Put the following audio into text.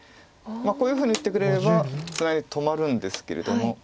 こういうふうに打ってくれればツナいで止まるんですけれども。